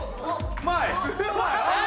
うまい！